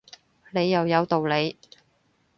你又有道理